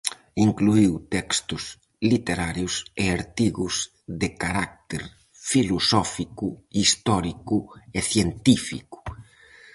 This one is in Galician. Incluíu textos literarios e artigos de carácter filosófico, histórico e científico.